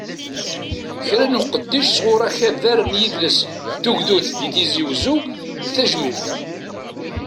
Kra n uqeddic sɣur akabar n yidles d tugdut di tizi wezzu, d tajmilt.